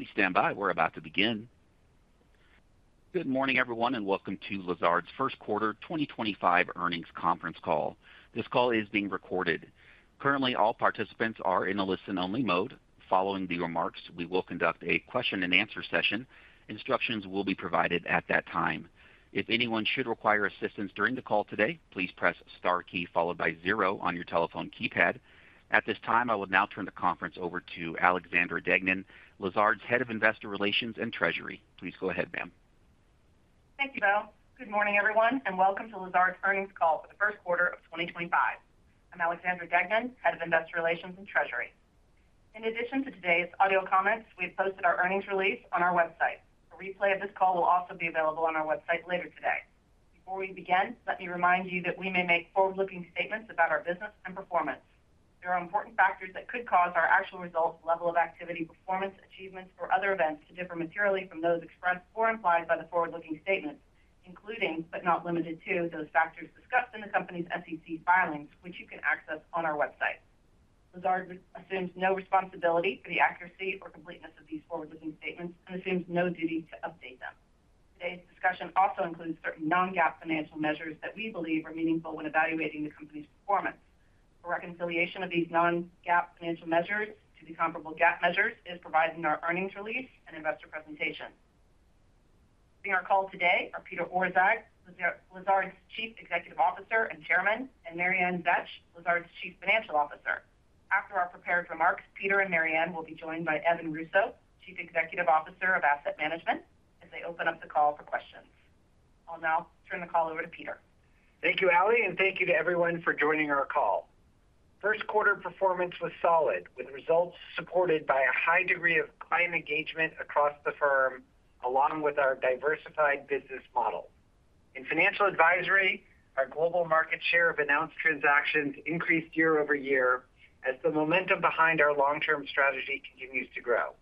Please stand by. We're about to begin. Good morning, everyone, and welcome to Lazard's First Quarter 2025 earnings conference call. This call is being recorded. Currently, all participants are in a listen-only mode. Following the remarks, we will conduct a question-and-answer session. Instructions will be provided at that time. If anyone should require assistance during the call today, please press the star key followed by zero on your telephone keypad. At this time, I will now turn the conference over to Alexandra Deignan, Lazard's Head of Investor Relations and Treasury. Please go ahead, ma'am. Thank you, Bill. Good morning, everyone, and welcome to Lazard's earnings call for the first quarter of 2025. I'm Alexandra Deignan, Head of Investor Relations and Treasury. In addition to today's audio comments, we have posted our earnings release on our website. A replay of this call will also be available on our website later today. Before we begin, let me remind you that we may make forward-looking statements about our business and performance. There are important factors that could cause our actual results, level of activity, performance, achievements, or other events to differ materially from those expressed or implied by the forward-looking statements, including, but not limited to, those factors discussed in the company's SEC filings, which you can access on our website. Lazard assumes no responsibility for the accuracy or completeness of these forward-looking statements and assumes no duty to update them. Today's discussion also includes certain non-GAAP financial measures that we believe are meaningful when evaluating the company's performance. For reconciliation of these non-GAAP financial measures to the comparable GAAP measures, it is provided in our earnings release and investor presentation. Joining our call today are Peter Orszag, Lazard's Chief Executive Officer and Chairman, and Mary Ann Betsch, Lazard's Chief Financial Officer. After our prepared remarks, Peter and Mary Ann will be joined by Evan Russo, Chief Executive Officer of Asset Management, as they open up the call for questions. I'll now turn the call over to Peter. Thank you, Ali, and thank you to everyone for joining our call. First quarter performance was solid, with results supported by a high degree of client engagement across the firm, along with our diversified business model. In financial advisory, our global market share of announced transactions increased year over year as the momentum behind our long-term strategy continues to grow.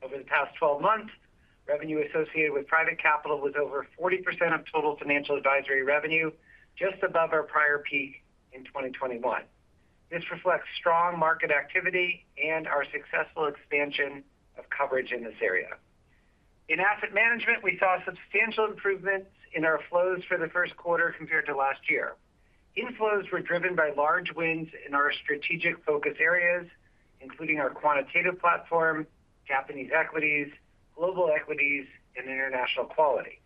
Over the past 12 months, revenue associated with private capital was over 40% of total financial advisory revenue, just above our prior peak in 2021. This reflects strong market activity and our successful expansion of coverage in this area. In asset management, we saw substantial improvements in our flows for the first quarter compared to last year. Inflows were driven by large wins in our strategic focus areas, including our quantitative platform, Japanese equities, global equities, and international quality.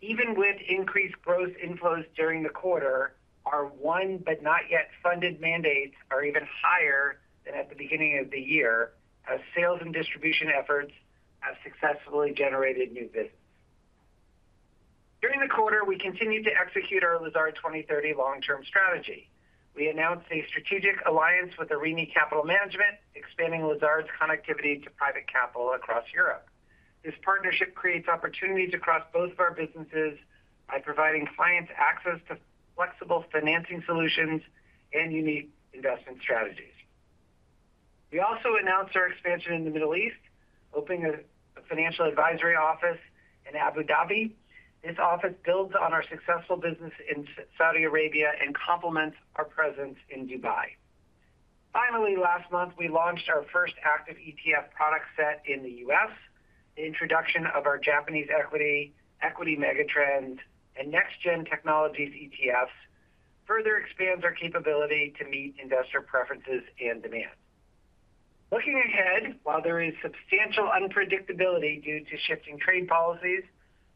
Even with increased gross inflows during the quarter, our won-but-not-yet-funded mandates are even higher than at the beginning of the year, as sales and distribution efforts have successfully generated new business. During the quarter, we continued to execute our Lazard 2030 long-term strategy. We announced a strategic alliance with Arini Capital Management, expanding Lazard's connectivity to private capital across Europe. This partnership creates opportunities across both of our businesses by providing clients access to flexible financing solutions and unique investment strategies. We also announced our expansion in the Middle East, opening a financial advisory office in Abu Dhabi. This office builds on our successful business in Saudi Arabia and complements our presence in Dubai. Finally, last month, we launched our first active ETF product set in the U.S.. The introduction of our Japanese Equity, Equity Megatrends, and Next-Gen Technologies ETFs further expands our capability to meet investor preferences and demand. Looking ahead, while there is substantial unpredictability due to shifting trade policies,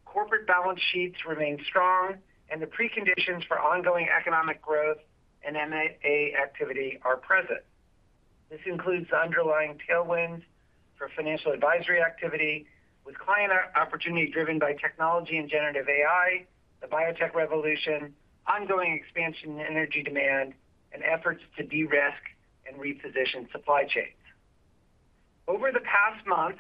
corporate balance sheets remain strong, and the preconditions for ongoing economic growth and M&A activity are present. This includes the underlying tailwinds for financial advisory activity, with client opportunity driven by technology and generative AI, the biotech revolution, ongoing expansion in energy demand, and efforts to de-risk and reposition supply chains. Over the past month,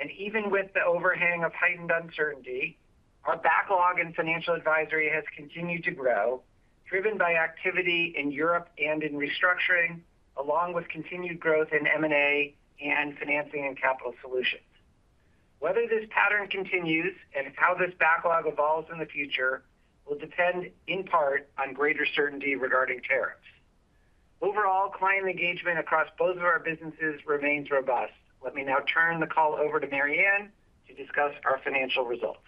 and even with the overhang of heightened uncertainty, our backlog in financial advisory has continued to grow, driven by activity in Europe and in restructuring, along with continued growth in M&A and financing and capital solutions. Whether this pattern continues and how this backlog evolves in the future will depend in part on greater certainty regarding tariffs. Overall, client engagement across both of our businesses remains robust. Let me now turn the call over to Mary Ann to discuss our financial results.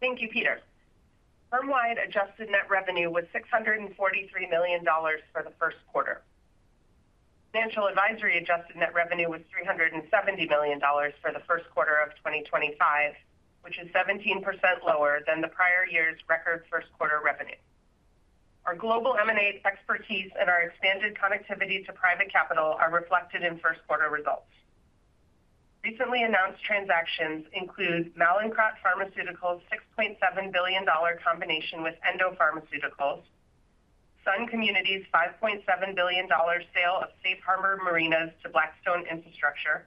Thank you, Peter. Firm-wide adjusted net revenue was $643 million for the first quarter. Financial advisory adjusted net revenue was $370 million for the first quarter of 2025, which is 17% lower than the prior year's record first quarter revenue. Our global M&A expertise and our expanded connectivity to private capital are reflected in first quarter results. Recently announced transactions include Mallinckrodt Pharmaceuticals' $6.7 billion combination with Endo Pharmaceuticals, Sun Communities' $5.7 billion sale of Safe Harbor Marinas to Blackstone Infrastructure,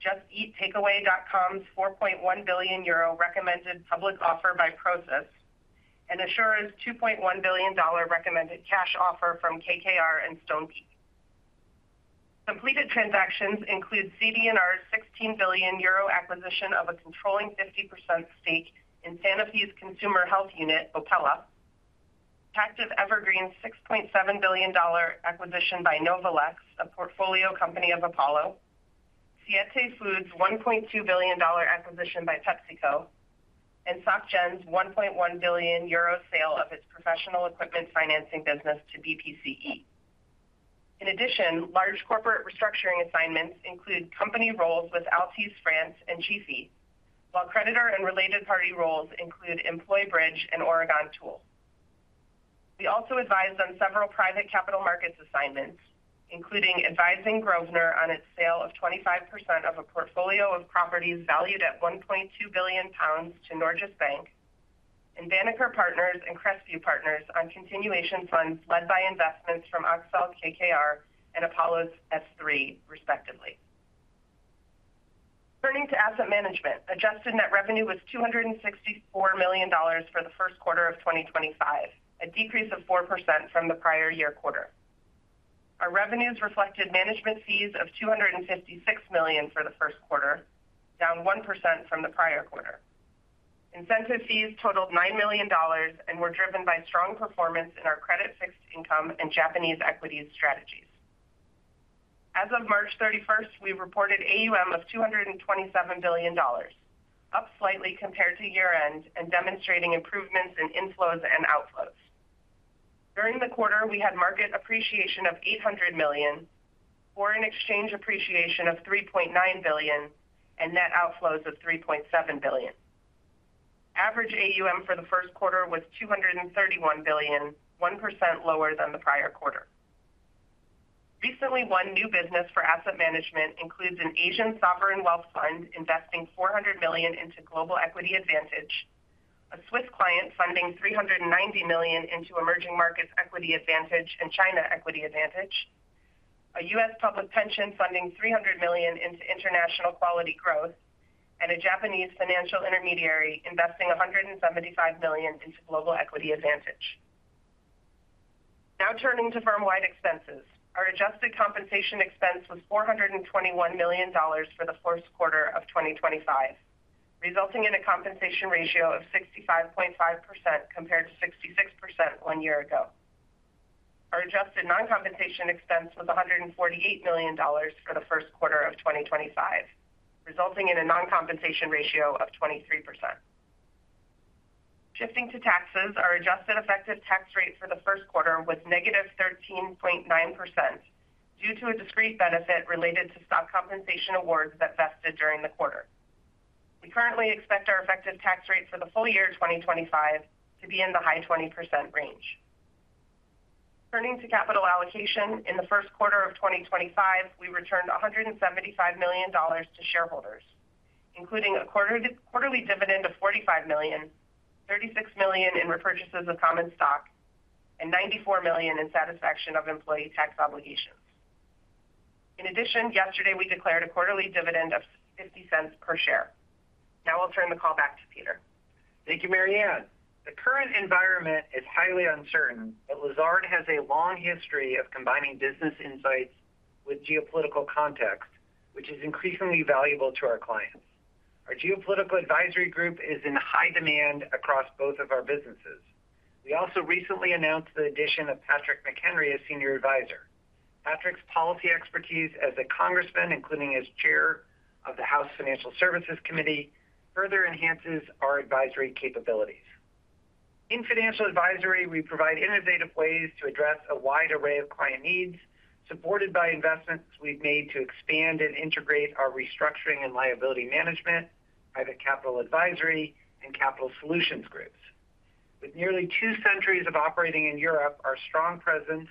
Just Eat Takeaway.com's 4.1 billion euro recommended public offer by Prosus, and Assura's $2.1 billion recommended cash offer from KKR and Stonepeak. Completed transactions include CD&R's 16 billion euro acquisition of a controlling 50% stake in Sanofi's consumer health unit, Opella, Pactiv Evergreen's $6.7 billion acquisition by Novolex, a portfolio company of Apollo, Siete Foods' $1.2 billion acquisition by PepsiCo, and Société Générale's 1.1 billion euro sale of its professional equipment financing business to BPCE. In addition, large corporate restructuring assignments include company roles with Altice France and GiFi, while creditor and related party roles include EmployBridge and Oregon Tool. We also advised on several private capital markets assignments, including advising Grosvenor on its sale of 25% of a portfolio of properties valued at 1.2 billion pounds to Norges Bank and Banneker Partners and Crestview Partners on continuation funds led by investments from Accel-KKR and Apollo's S3, respectively. Turning to asset management, adjusted net revenue was $264 million for the first quarter of 2025, a decrease of 4% from the prior year quarter. Our revenues reflected management fees of $256 million for the first quarter, down 1% from the prior quarter. Incentive fees totaled $9 million and were driven by strong performance in our credit-fixed income and Japanese equities strategies. As of March 31, we reported AUM of $227 billion, up slightly compared to year-end and demonstrating improvements in inflows and outflows. During the quarter, we had market appreciation of $800 million, foreign exchange appreciation of $3.9 billion, and net outflows of $3.7 billion. Average AUM for the first quarter was $231 billion, 1% lower than the prior quarter. Recently, one new business for asset management includes an Asian sovereign wealth fund investing $400 million into Global Equity Advantage, a Swiss client funding $390 million into Emerging Markets Equity Advantage and China Equity Advantage, a U.S. public pension funding $300 million into International Quality Growth, and a Japanese financial intermediary investing $175 million into Global Equity Advantage. Now turning to firm-wide expenses, our adjusted compensation expense was $421 million for the first quarter of 2025, resulting in a compensation ratio of 65.5% compared to 66% one year ago. Our adjusted non-compensation expense was $148 million for the first quarter of 2025, resulting in a non-compensation ratio of 23%. Shifting to taxes, our adjusted effective tax rate for the first quarter was negative 13.9% due to a discrete benefit related to stock compensation awards that vested during the quarter. We currently expect our effective tax rate for the full year 2025 to be in the high 20% range. Turning to capital allocation, in the first quarter of 2025, we returned $175 million to shareholders, including a quarterly dividend of $45 million, $36 million in repurchases of common stock, and $94 million in satisfaction of employee tax obligations. In addition, yesterday we declared a quarterly dividend of $0.50 per share. Now I'll turn the call back to Peter. Thank you, Mary Ann. The current environment is highly uncertain, but Lazard has a long history of combining business insights with geopolitical context, which is increasingly valuable to our clients. Our geopolitical advisory group is in high demand across both of our businesses. We also recently announced the addition of Patrick McHenry as Senior Advisor. Patrick's policy expertise as a congressman, including as Chair of the House Financial Services Committee, further enhances our advisory capabilities. In financial advisory, we provide innovative ways to address a wide array of client needs, supported by investments we've made to expand and integrate our restructuring and liability management, private capital advisory, and capital solutions groups. With nearly two centuries of operating in Europe, our strong presence,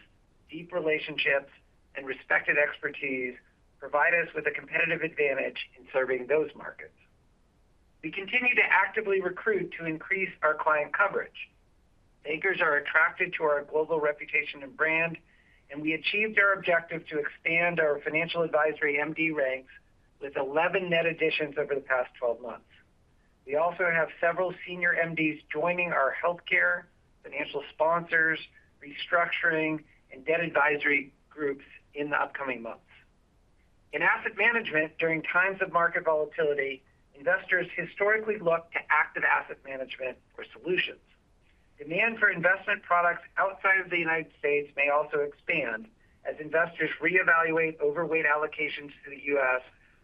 deep relationships, and respected expertise provide us with a competitive advantage in serving those markets. We continue to actively recruit to increase our client coverage. Bankers are attracted to our global reputation and brand, and we achieved our objective to expand our financial advisory MD ranks with 11 net additions over the past 12 months. We also have several senior MDs joining our healthcare, financial sponsors, restructuring, and debt advisory groups in the upcoming months. In asset management, during times of market volatility, investors historically look to active asset management or solutions. Demand for investment products outside of the U.S. may also expand as investors reevaluate overweight allocations to the U.S.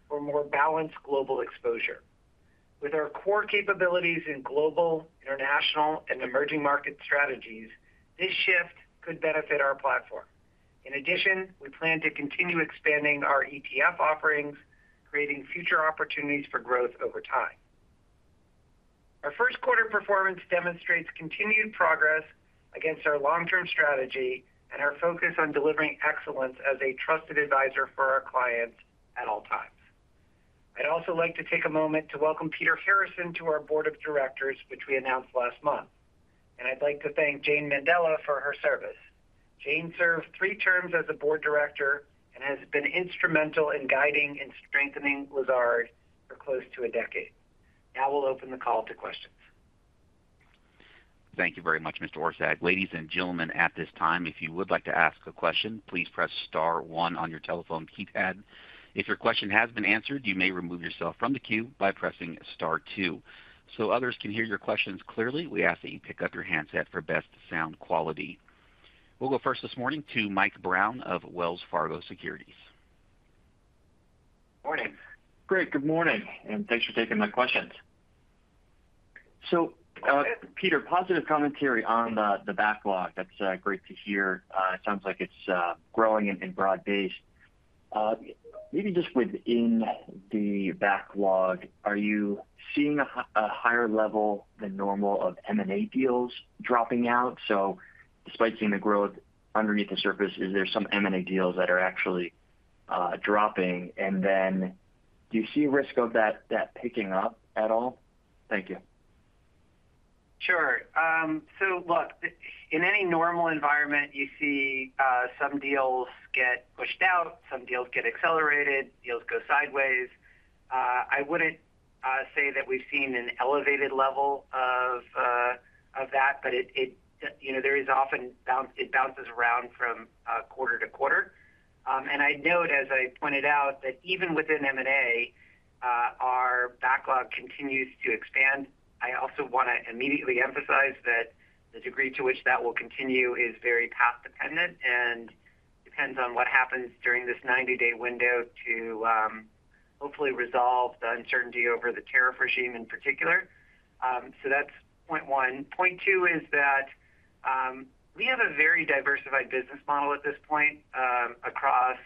for more balanced global exposure. With our core capabilities in global, international, and emerging market strategies, this shift could benefit our platform. In addition, we plan to continue expanding our ETF offerings, creating future opportunities for growth over time. Our first quarter performance demonstrates continued progress against our long-term strategy and our focus on delivering excellence as a trusted advisor for our clients at all times. I'd also like to take a moment to welcome Peter Harrison to our Board of Directors, which we announced last month, and I'd like to thank Jane Mendillo for her service. Jane served three terms as a board director and has been instrumental in guiding and strengthening Lazard for close to a decade. Now we'll open the call to questions. Thank you very much, Mr. Orszag. Ladies and gentlemen, at this time, if you would like to ask a question, please press Star 1 on your telephone keypad. If your question has been answered, you may remove yourself from the queue by pressing Star 2. To ensure others can hear your questions clearly, we ask that you pick up your handset for best sound quality. We'll go first this morning to Mike Brown of Wells Fargo Securities. Morning. Great. Good morning, and thanks for taking my questions. Peter, positive commentary on the backlog. That is great to hear. It sounds like it is growing and broad-based. Maybe just within the backlog, are you seeing a higher level than normal of M&A deals dropping out? Despite seeing the growth underneath the surface, is there some M&A deals that are actually dropping? Do you see risk of that picking up at all? Thank you. Sure. Look, in any normal environment, you see some deals get pushed out, some deals get accelerated, deals go sideways. I would not say that we have seen an elevated level of that, but it often bounces around from quarter to quarter. I note, as I pointed out, that even within M&A, our backlog continues to expand. I also want to immediately emphasize that the degree to which that will continue is very path-dependent and depends on what happens during this 90-day window to hopefully resolve the uncertainty over the tariff regime in particular. That is point one. Point two is that we have a very diversified business model at this point across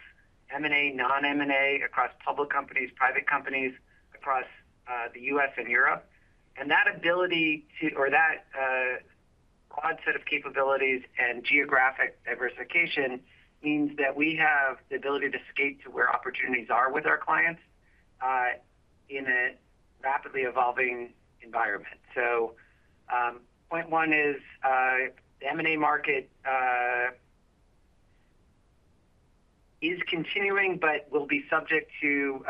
M&A, non-M&A, across public companies, private companies, across the U.S. and Europe. That ability to, or that broad set of capabilities and geographic diversification means that we have the ability to skate to where opportunities are with our clients in a rapidly evolving environment. Point one is the M&A market is continuing, but will be subject to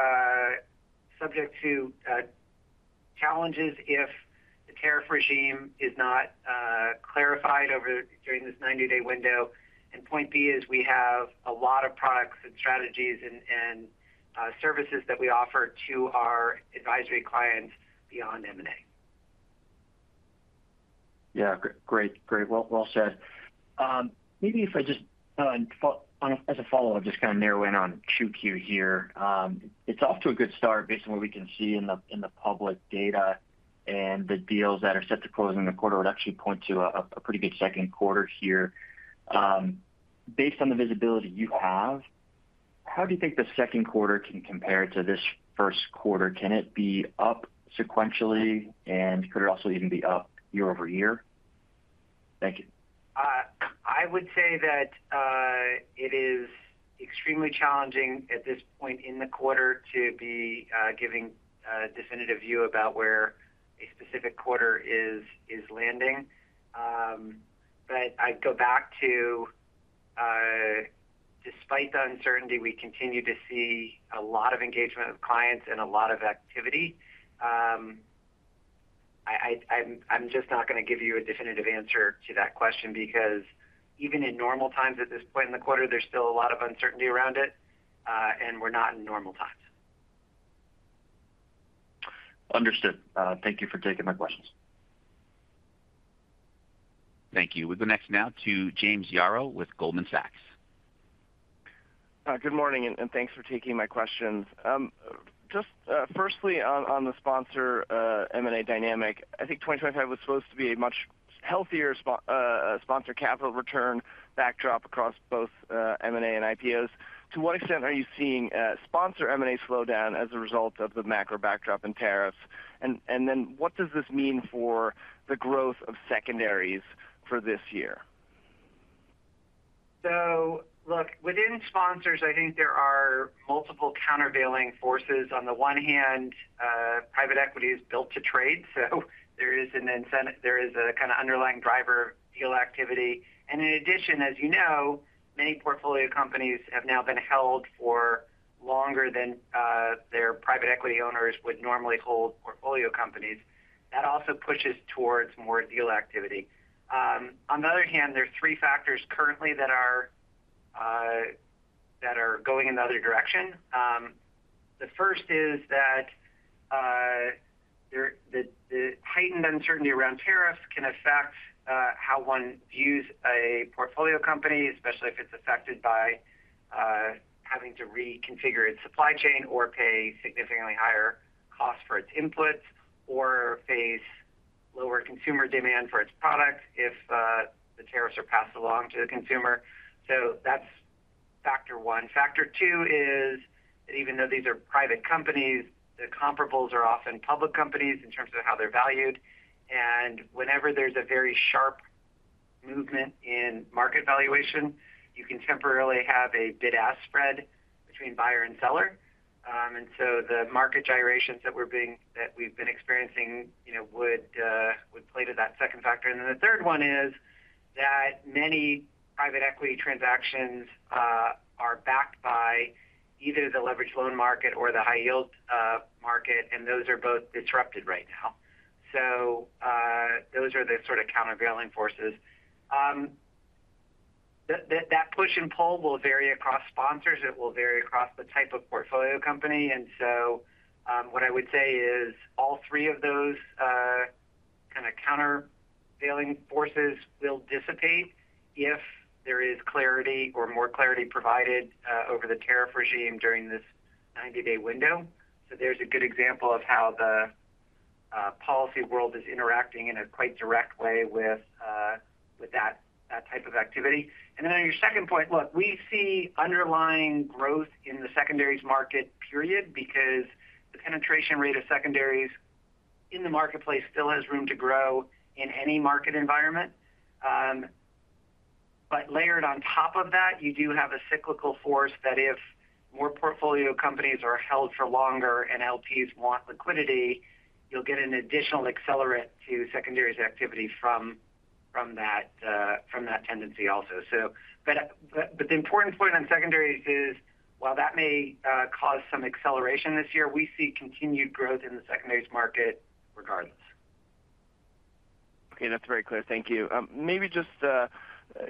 challenges if the tariff regime is not clarified during this 90-day window. Point B is we have a lot of products and strategies and services that we offer to our advisory clients beyond M&A. Yeah. Great. Great. Well said. Maybe if I just, as a follow-up, just kind of narrow in on 2Q here. It's off to a good start based on what we can see in the public data, and the deals that are set to close in the quarter would actually point to a pretty good second quarter here. Based on the visibility you have, how do you think the second quarter can compare to this first quarter? Can it be up sequentially, and could it also even be up year over year? Thank you. I would say that it is extremely challenging at this point in the quarter to be giving a definitive view about where a specific quarter is landing. I go back to, despite the uncertainty, we continue to see a lot of engagement of clients and a lot of activity. I'm just not going to give you a definitive answer to that question because even in normal times at this point in the quarter, there's still a lot of uncertainty around it, and we're not in normal times. Understood. Thank you for taking my questions. Thank you. We'll go next now to James Yaro with Goldman Sachs. Good morning, and thanks for taking my questions. Just firstly, on the sponsor M&A dynamic, I think 2025 was supposed to be a much healthier sponsor capital return backdrop across both M&A and IPOs. To what extent are you seeing sponsor M&A slow down as a result of the macro backdrop and tariffs? What does this mean for the growth of secondaries for this year? Look, within sponsors, I think there are multiple countervailing forces. On the one hand, private equity is built to trade, so there is an incentive, there is a kind of underlying driver of deal activity. In addition, as you know, many portfolio companies have now been held for longer than their private equity owners would normally hold portfolio companies. That also pushes towards more deal activity. On the other hand, there are three factors currently that are going in the other direction. The first is that the heightened uncertainty around tariffs can affect how one views a portfolio company, especially if it is affected by having to reconfigure its supply chain or pay significantly higher costs for its inputs or face lower consumer demand for its products if the tariffs are passed along to the consumer. That is factor one. Factor two is that even though these are private companies, the comparables are often public companies in terms of how they're valued. Whenever there's a very sharp movement in market valuation, you can temporarily have a bid-ask spread between buyer and seller. The market gyrations that we've been experiencing would play to that second factor. The third one is that many private equity transactions are backed by either the leveraged loan market or the high-yield market, and those are both disrupted right now. Those are the sort of countervailing forces. That push and pull will vary across sponsors. It will vary across the type of portfolio company. What I would say is all three of those kind of countervailing forces will dissipate if there is clarity or more clarity provided over the tariff regime during this 90-day window. There's a good example of how the policy world is interacting in a quite direct way with that type of activity. On your second point, look, we see underlying growth in the secondaries market, period, because the penetration rate of secondaries in the marketplace still has room to grow in any market environment. Layered on top of that, you do have a cyclical force that if more portfolio companies are held for longer and LPs want liquidity, you'll get an additional accelerant to secondaries activity from that tendency also. The important point on secondaries is, while that may cause some acceleration this year, we see continued growth in the secondaries market regardless. Okay. That's very clear. Thank you. Maybe just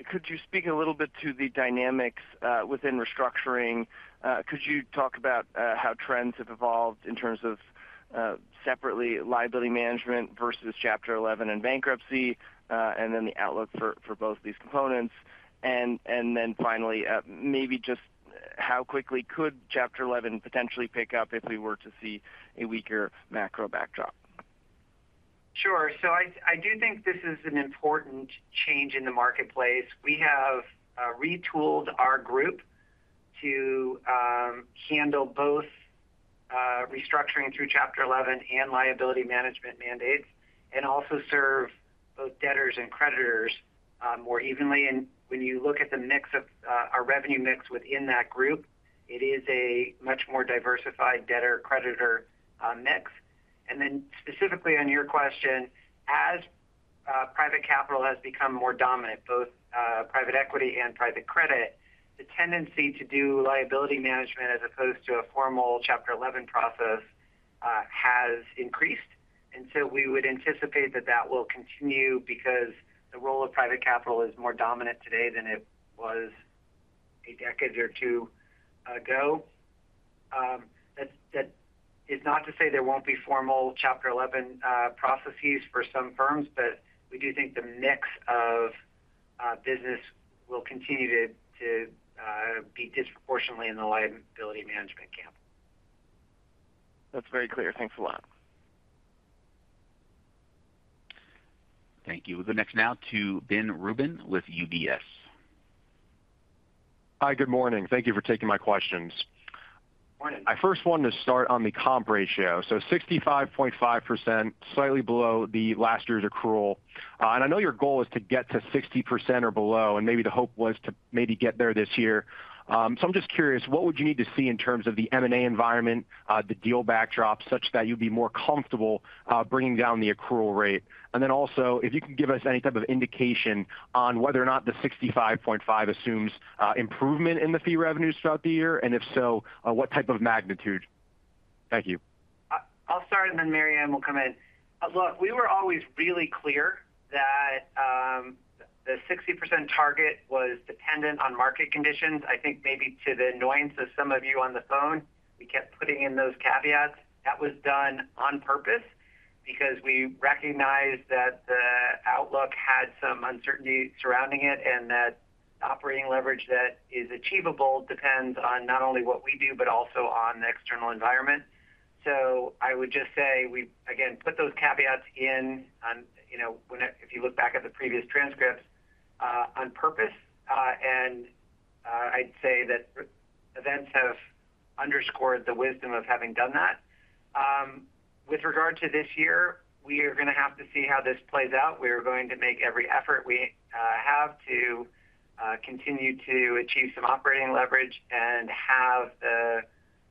could you speak a little bit to the dynamics within restructuring? Could you talk about how trends have evolved in terms of separately liability management versus Chapter 11 and bankruptcy, and then the outlook for both these components? Finally, maybe just how quickly could Chapter 11 potentially pick up if we were to see a weaker macro backdrop? Sure. I do think this is an important change in the marketplace. We have retooled our group to handle both restructuring through Chapter 11 and liability management mandates and also serve both debtors and creditors more evenly. When you look at the mix of our revenue mix within that group, it is a much more diversified debtor-creditor mix. Specifically on your question, as private capital has become more dominant, both private equity and private credit, the tendency to do liability management as opposed to a formal Chapter 11 process has increased. We would anticipate that that will continue because the role of private capital is more dominant today than it was a decade or two ago. That is not to say there won't be formal Chapter 11 processes for some firms, but we do think the mix of business will continue to be disproportionately in the liability management camp. That's very clear. Thanks a lot. Thank you. We'll go next now to Ben Rubin with UBS. Hi, good morning. Thank you for taking my questions. My first one to start on the comp ratio. 65.5%, slightly below last year's accrual. I know your goal is to get to 60% or below, and maybe the hope was to maybe get there this year. I'm just curious, what would you need to see in terms of the M&A environment, the deal backdrop, such that you'd be more comfortable bringing down the accrual rate? Also, if you can give us any type of indication on whether or not the 65.5% assumes improvement in the fee revenues throughout the year, and if so, what type of magnitude? Thank you. I'll start, and then Mary Ann will come in. Look, we were always really clear that the 60% target was dependent on market conditions. I think maybe to the annoyance of some of you on the phone, we kept putting in those caveats. That was done on purpose because we recognized that the outlook had some uncertainty surrounding it and that operating leverage that is achievable depends on not only what we do, but also on the external environment. I would just say we, again, put those caveats in, if you look back at the previous transcripts, on purpose. I'd say that events have underscored the wisdom of having done that. With regard to this year, we are going to have to see how this plays out. We are going to make every effort we have to continue to achieve some operating leverage and have the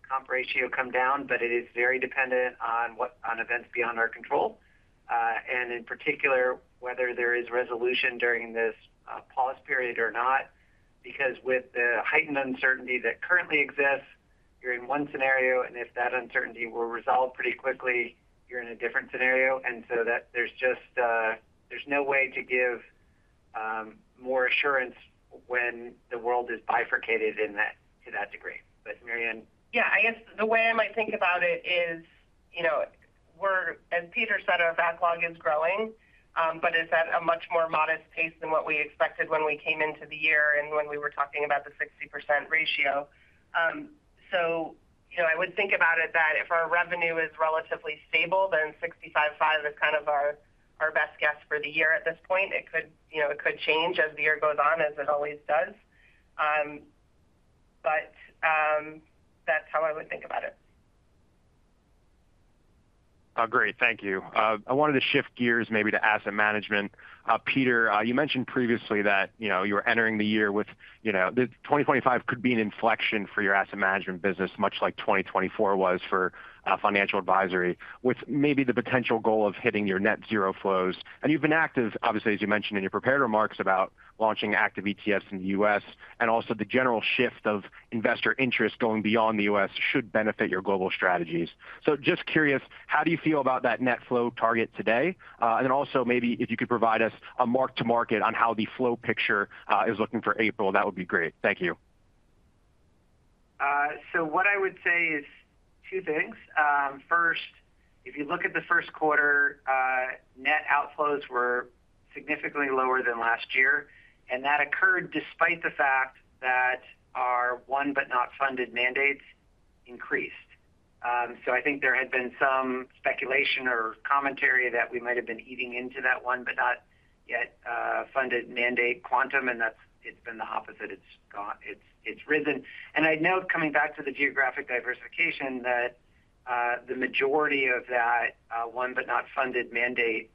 comp ratio come down, but it is very dependent on events beyond our control. In particular, whether there is resolution during this pause period or not, because with the heightened uncertainty that currently exists, you're in one scenario, and if that uncertainty will resolve pretty quickly, you're in a different scenario. There is no way to give more assurance when the world is bifurcated to that degree. Mary Ann? Yeah. I guess the way I might think about it is, as Peter said, our backlog is growing, but it is at a much more modest pace than what we expected when we came into the year and when we were talking about the 60% ratio. I would think about it that if our revenue is relatively stable, then 65.5% is kind of our best guess for the year at this point. It could change as the year goes on, as it always does. That is how I would think about it. Great. Thank you. I wanted to shift gears maybe to asset management. Peter, you mentioned previously that you were entering the year with 2025 could be an inflection for your asset management business, much like 2024 was for financial advisory, with maybe the potential goal of hitting your net zero flows. And you've been active, obviously, as you mentioned in your prepared remarks about launching active ETFs in the U.S. and also the general shift of investor interest going beyond the U.S. should benefit your global strategies. Just curious, how do you feel about that net flow target today? Also, maybe if you could provide us a mark-to-market on how the flow picture is looking for April, that would be great. Thank you. What I would say is two things. First, if you look at the first quarter, net outflows were significantly lower than last year. That occurred despite the fact that our won-but-not-funded mandates increased. I think there had been some speculation or commentary that we might have been eating into that won-but-not-funded mandate quantum, and it's been the opposite. It's risen. I would note, coming back to the geographic diversification, that the majority of that won-but-not-funded mandate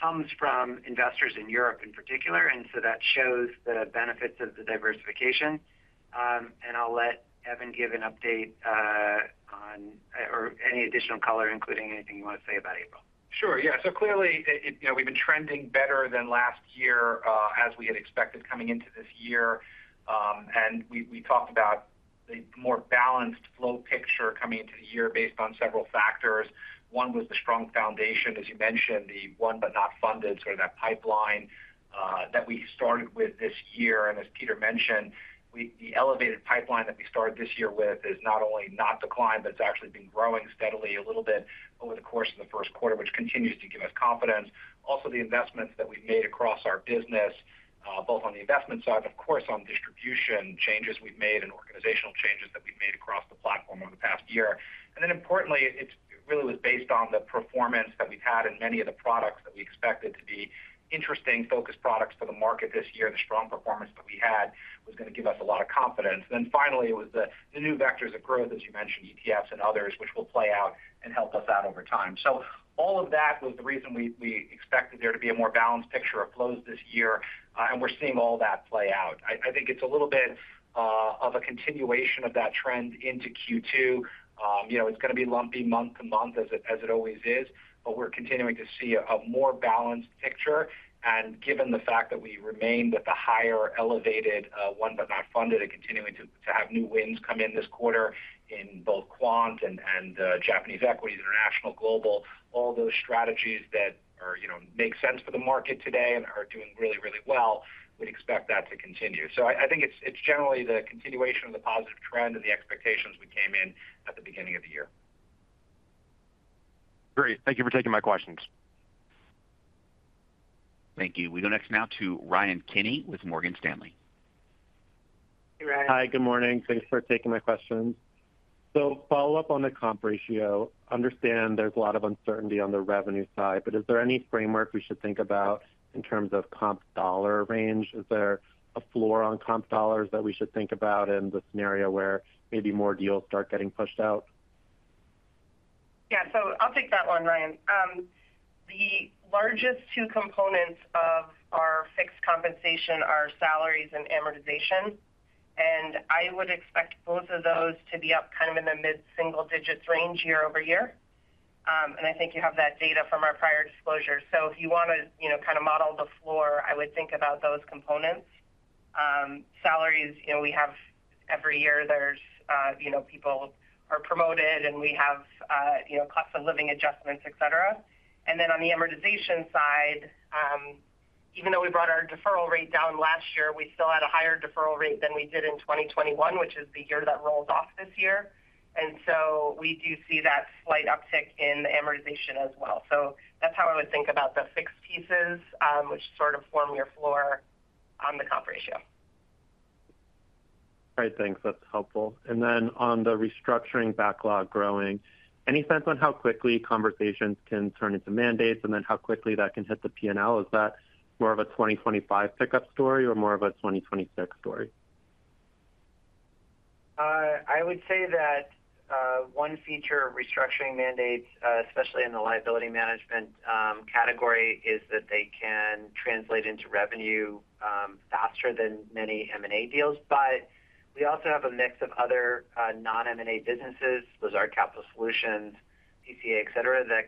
comes from investors in Europe in particular. That shows the benefits of the diversification. I'll let Evan give an update on or any additional color, including anything you want to say about April. Sure. Yeah. Clearly, we've been trending better than last year, as we had expected coming into this year. We talked about the more balanced flow picture coming into the year based on several factors. One was the strong foundation, as you mentioned, the won-but-not-funded, sort of that pipeline that we started with this year. As Peter mentioned, the elevated pipeline that we started this year with has not only not declined, but it's actually been growing steadily a little bit over the course of the first quarter, which continues to give us confidence. Also, the investments that we've made across our business, both on the investment side, of course, on distribution changes we've made and organizational changes that we've made across the platform over the past year. Importantly, it really was based on the performance that we've had in many of the products that we expected to be interesting, focused products for the market this year. The strong performance that we had was going to give us a lot of confidence. Finally, it was the new vectors of growth, as you mentioned, ETFs and others, which will play out and help us out over time. All of that was the reason we expected there to be a more balanced picture of flows this year. We're seeing all that play out. I think it's a little bit of a continuation of that trend into Q2. It's going to be lumpy month to month, as it always is, but we're continuing to see a more balanced picture. Given the fact that we remain with the higher elevated won-but-not-yet-funded and continuing to have new wins come in this quarter in both quant and Japanese equities, international, global, all those strategies that make sense for the market today and are doing really, really well, we'd expect that to continue. I think it's generally the continuation of the positive trend and the expectations we came in at the beginning of the year. Great. Thank you for taking my questions. Thank you. We go next now to Ryan Kenny with Morgan Stanley. Hey, Ryan. Hi. Good morning. Thanks for taking my questions. Follow-up on the comp ratio. Understand there's a lot of uncertainty on the revenue side, but is there any framework we should think about in terms of comp dollar range? Is there a floor on comp dollars that we should think about in the scenario where maybe more deals start getting pushed out? Yeah. I'll take that one, Ryan. The largest two components of our fixed compensation are salaries and amortization. I would expect both of those to be up kind of in the mid-single digits range year over year. I think you have that data from our prior disclosure. If you want to kind of model the floor, I would think about those components. Salaries, we have every year there's people are promoted, and we have cost of living adjustments, etc. On the amortization side, even though we brought our deferral rate down last year, we still had a higher deferral rate than we did in 2021, which is the year that rolls off this year. We do see that slight uptick in the amortization as well. That's how I would think about the fixed pieces, which sort of form your floor on the comp ratio. All right. Thanks. That's helpful. Then on the restructuring backlog growing, any sense on how quickly conversations can turn into mandates and then how quickly that can hit the P&L? Is that more of a 2025 pickup story or more of a 2026 story? I would say that one feature of restructuring mandates, especially in the liability management category, is that they can translate into revenue faster than many M&A deals. We also have a mix of other non-M&A businesses, Lazard Capital Solutions, PCA, etc., that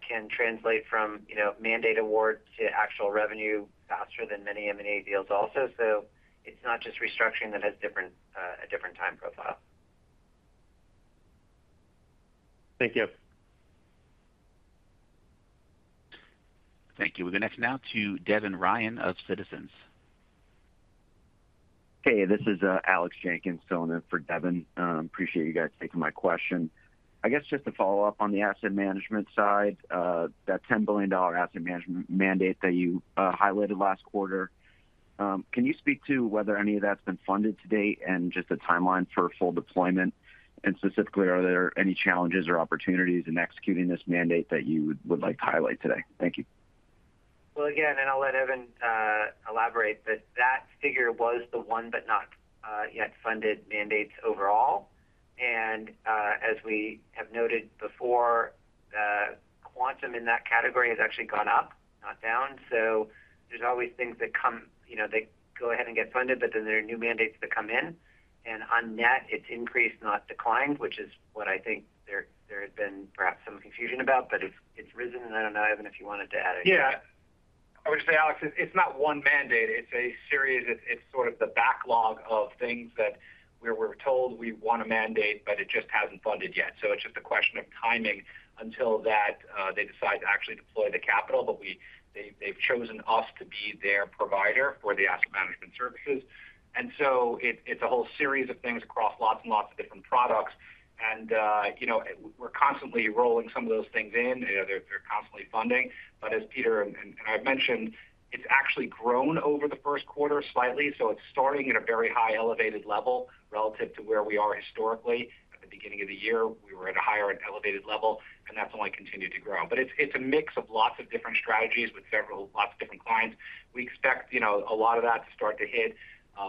can translate from mandate award to actual revenue faster than many M&A deals also. It is not just restructuring that has a different time profile. Thank you. Thank you. We go next now to Devin Ryan of Citizens. Hey, this is Alex Jenkins, filling in for Devin. Appreciate you guys taking my question. I guess just to follow up on the asset management side, that $10 billion asset management mandate that you highlighted last quarter, can you speak to whether any of that's been funded to date and just the timeline for full deployment? Specifically, are there any challenges or opportunities in executing this mandate that you would like to highlight today? Thank you. Again, and I'll let Evan elaborate, that figure was the won-but-not-yet-funded mandates overall. As we have noted before, the quantum in that category has actually gone up, not down. There are always things that come that go ahead and get funded, but then there are new mandates that come in. On net, it has increased, not declined, which is what I think there had been perhaps some confusion about, but it has risen. I do not know, Evan, if you wanted to add anything. Yeah. I would just say, Alex, it's not one mandate. It's a series. It's sort of the backlog of things that we were told we want a mandate, but it just hasn't funded yet. It's just a question of timing until they decide to actually deploy the capital. They have chosen us to be their provider for the asset management services. It's a whole series of things across lots and lots of different products. We are constantly rolling some of those things in. They are constantly funding. As Peter and I have mentioned, it has actually grown over the first quarter slightly. It is starting at a very high elevated level relative to where we are historically. At the beginning of the year, we were at a higher elevated level, and that has only continued to grow. It is a mix of lots of different strategies with lots of different clients. We expect a lot of that to start to hit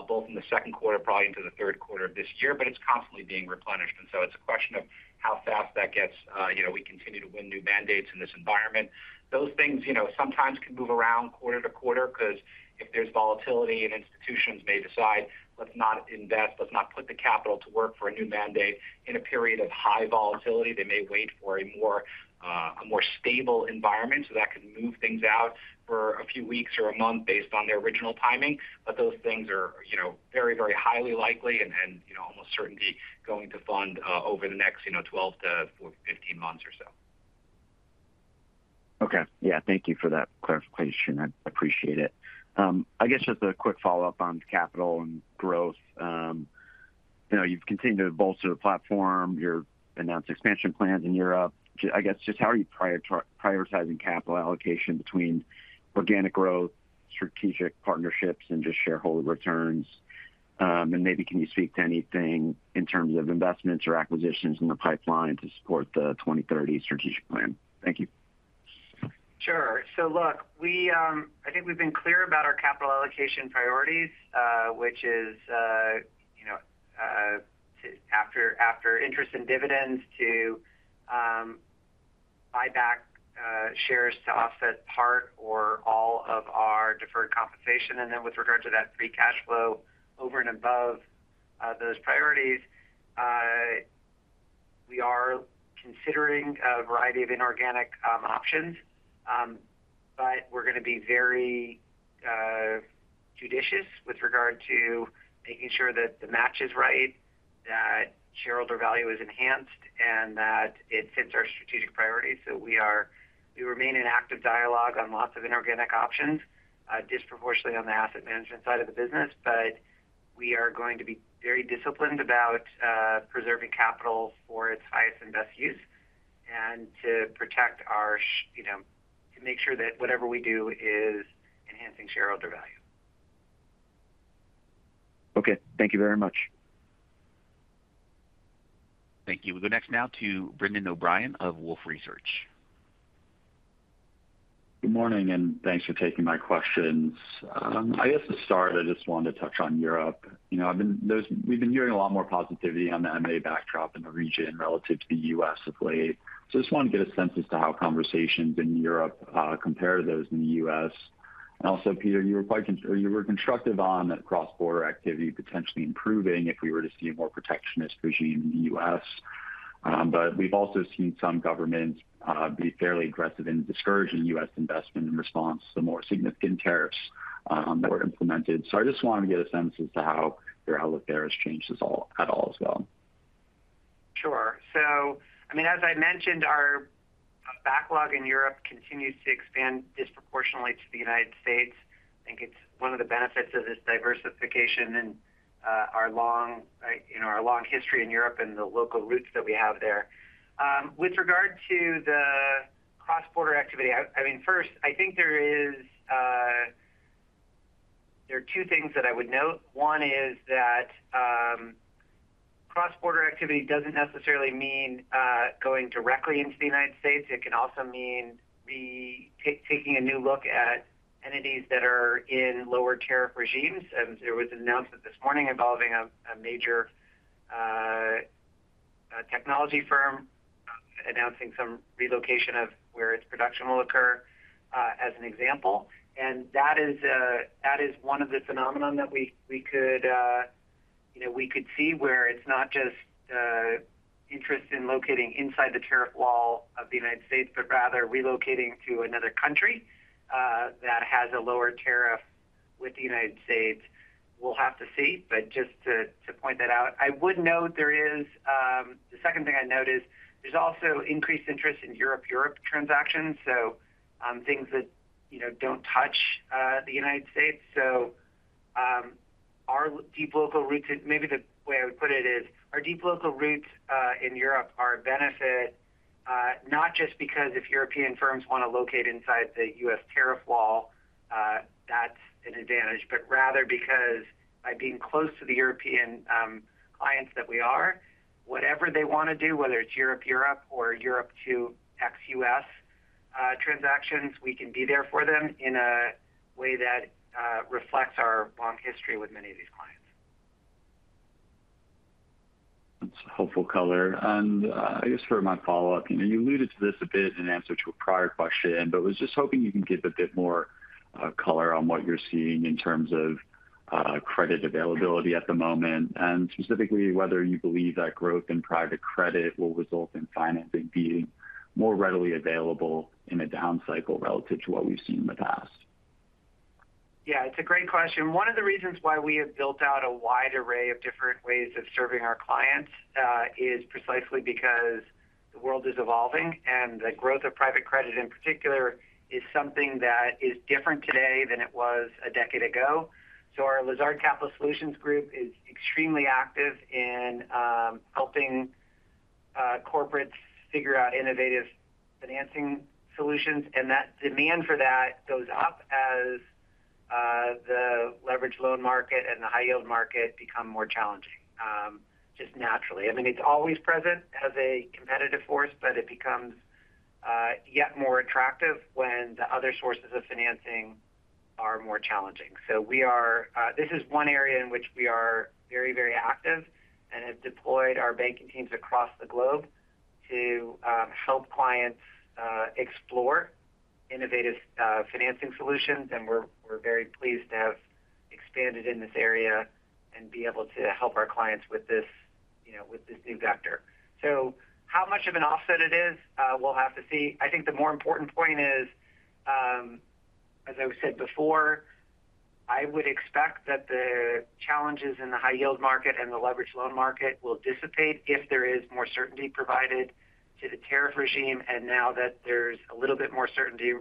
both in the second quarter, probably into the third quarter of this year, but it is constantly being replenished. It is a question of how fast that gets. We continue to win new mandates in this environment. Those things sometimes can move around quarter to quarter because if there is volatility, institutions may decide, "Let's not invest. Let's not put the capital to work for a new mandate." In a period of high volatility, they may wait for a more stable environment so that can move things out for a few weeks or a month based on their original timing. Those things are very, very highly likely and almost certainly going to fund over the next 12 to 15 months or so. Okay. Yeah. Thank you for that clarification. I appreciate it. I guess just a quick follow-up on capital and growth. You've continued to bolster the platform. You've announced expansion plans in Europe. I guess just how are you prioritizing capital allocation between organic growth, strategic partnerships, and just shareholder returns? Maybe can you speak to anything in terms of investments or acquisitions in the pipeline to support the 2030 strategic plan? Thank you. Sure. Look, I think we've been clear about our capital allocation priorities, which is after interest and dividends to buy back shares to offset part or all of our deferred compensation. With regard to that free cash flow over and above those priorities, we are considering a variety of inorganic options. We are going to be very judicious with regard to making sure that the match is right, that shareholder value is enhanced, and that it fits our strategic priorities. We remain in active dialogue on lots of inorganic options, disproportionately on the asset management side of the business. We are going to be very disciplined about preserving capital for its highest and best use and to make sure that whatever we do is enhancing shareholder value. Okay. Thank you very much. Thank you. We go next now to Brendan O'Brien of Wolfe Research. Good morning, and thanks for taking my questions. I guess to start, I just wanted to touch on Europe. We've been hearing a lot more positivity on the M&A backdrop in the region relative to the U.S. of late. I just wanted to get a sense as to how conversations in Europe compare to those in the U.S.. Also, Peter, you were constructive on cross-border activity potentially improving if we were to see a more protectionist regime in the U.S.. We've also seen some governments be fairly aggressive in discouraging U.S. investment in response to the more significant tariffs that were implemented. I just wanted to get a sense as to how your outlook there has changed at all as well. Sure. As I mentioned, our backlog in Europe continues to expand disproportionately to the United States. I think it's one of the benefits of this diversification and our long history in Europe and the local roots that we have there. With regard to the cross-border activity, I mean, first, I think there are two things that I would note. One is that cross-border activity doesn't necessarily mean going directly into the United States. It can also mean taking a new look at entities that are in lower tariff regimes. There was an announcement this morning involving a major technology firm announcing some relocation of where its production will occur, as an example. That is one of the phenomena that we could see where it's not just interest in locating inside the tariff wall of the United States, but rather relocating to another country that has a lower tariff with the United States. We'll have to see. Just to point that out, I would note there is the second thing I noticed, there's also increased interest in Europe-Europe transactions, so things that don't touch the United States. Our deep local roots, maybe the way I would put it is our deep local roots in Europe are a benefit, not just because if European firms want to locate inside the U.S. tariff wall, that's an advantage, but rather because by being close to the European clients that we are, whatever they want to do, whether it's Europe-Europe or Europe to ex-U.S. transactions, we can be there for them in a way that reflects our long history with many of these clients. That's a helpful color. I guess for my follow-up, you alluded to this a bit in answer to a prior question, but was just hoping you can give a bit more color on what you're seeing in terms of credit availability at the moment and specifically whether you believe that growth in private credit will result in financing being more readily available in a down cycle relative to what we've seen in the past. Yeah. It's a great question. One of the reasons why we have built out a wide array of different ways of serving our clients is precisely because the world is evolving, and the growth of private credit in particular is something that is different today than it was a decade ago. Our Lazard Capital Solutions Group is extremely active in helping corporates figure out innovative financing solutions. That demand for that goes up as the leveraged loan market and the high-yield market become more challenging just naturally. I mean, it's always present as a competitive force, but it becomes yet more attractive when the other sources of financing are more challenging. This is one area in which we are very, very active, and have deployed our banking teams across the globe to help clients explore innovative financing solutions. We're very pleased to have expanded in this area and be able to help our clients with this new vector. How much of an offset it is, we'll have to see. I think the more important point is, as I said before, I would expect that the challenges in the high-yield market and the leveraged loan market will dissipate if there is more certainty provided to the tariff regime and now that there's a little bit more certainty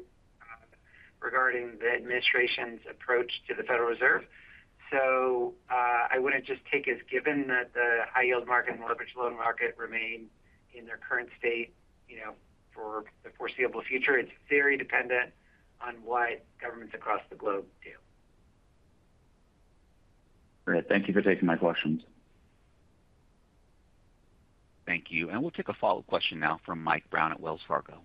regarding the administration's approach to the Federal Reserve. I wouldn't just take as given that the high-yield market and leveraged loan market remain in their current state for the foreseeable future. It's very dependent on what governments across the globe do. Great. Thank you for taking my questions. Thank you. We will take a follow-up question now from Mike Brown at Wells Fargo.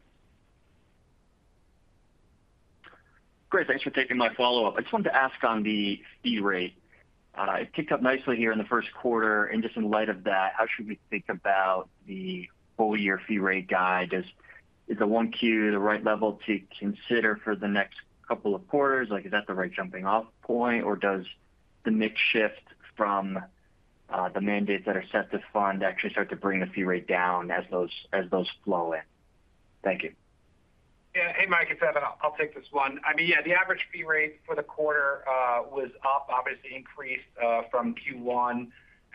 Great. Thanks for taking my follow-up. I just wanted to ask on the fee rate. It picked up nicely here in the first quarter. In light of that, how should we think about the full-year fee rate guide? Is the 1Q the right level to consider for the next couple of quarters? Is that the right jumping-off point, or does the mix shift from the mandates that are set to fund actually start to bring the fee rate down as those flow in? Thank you. Yeah. Hey, Mike. It's Evan. I'll take this one. I mean, yeah, the average fee rate for the quarter was up, obviously increased from Q1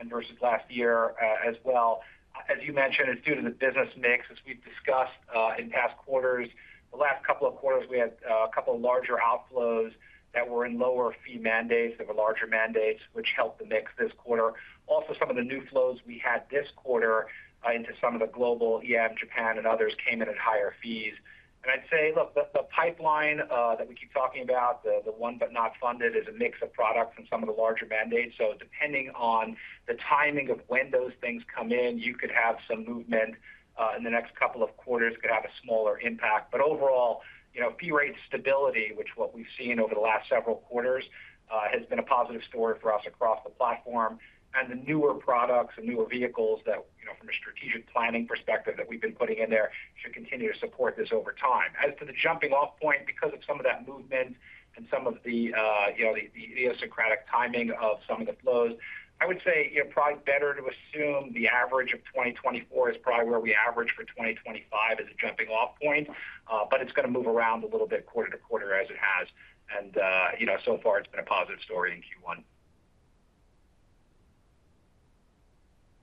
versus last year as well. As you mentioned, it's due to the business mix. As we've discussed in past quarters, the last couple of quarters, we had a couple of larger outflows that were in lower fee mandates that were larger mandates, which helped the mix this quarter. Also, some of the new flows we had this quarter into some of the global EM, Japan, and others came in at higher fees. I'd say, look, the pipeline that we keep talking about, the won-but-not-funded, is a mix of products and some of the larger mandates. Depending on the timing of when those things come in, you could have some movement in the next couple of quarters, could have a smaller impact. Overall, fee rate stability, which is what we've seen over the last several quarters, has been a positive story for us across the platform. The newer products and newer vehicles from a strategic planning perspective that we've been putting in there should continue to support this over time. As to the jumping-off point, because of some of that movement and some of the idiosyncratic timing of some of the flows, I would say probably better to assume the average of 2024 is probably where we average for 2025 as a jumping-off point, but it's going to move around a little bit quarter to quarter as it has. So far, it's been a positive story in Q1.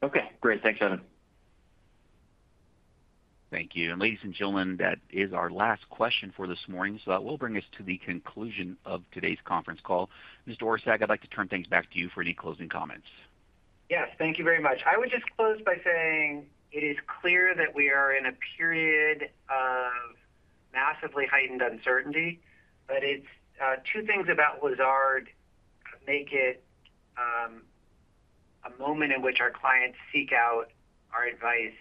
Okay. Great. Thanks, Evan. Thank you. Ladies and gentlemen, that is our last question for this morning. That will bring us to the conclusion of today's conference call. Mr. Orszag, I'd like to turn things back to you for any closing comments. Yes. Thank you very much. I would just close by saying it is clear that we are in a period of massively heightened uncertainty. Two things about Lazard make it a moment in which our clients seek out our advice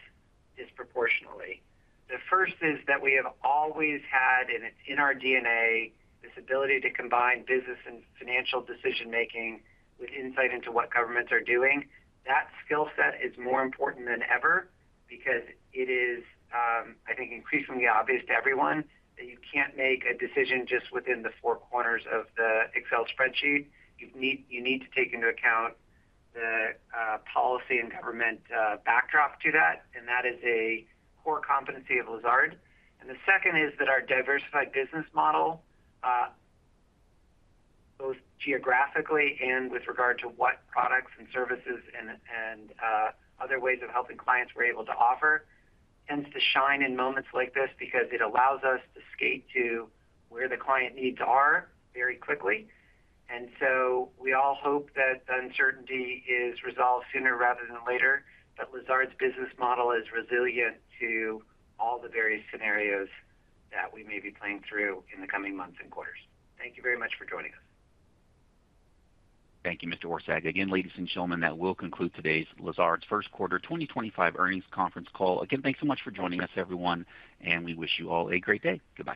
disproportionately. The first is that we have always had, and it's in our DNA, this ability to combine business and financial decision-making with insight into what governments are doing. That skill set is more important than ever because it is, I think, increasingly obvious to everyone that you can't make a decision just within the four corners of the Excel spreadsheet. You need to take into account the policy and government backdrop to that. That is a core competency of Lazard. Our diversified business model, both geographically and with regard to what products and services and other ways of helping clients we are able to offer, tends to shine in moments like this because it allows us to skate to where the client needs are very quickly. We all hope that the uncertainty is resolved sooner rather than later, that Lazard's business model is resilient to all the various scenarios that we may be playing through in the coming months and quarters. Thank you very much for joining us. Thank you, Mr. Orszag. Again, ladies and gentlemen, that will conclude today's Lazard's First Quarter 2025 earnings conference call. Again, thanks so much for joining us, everyone. We wish you all a great day. Goodbye.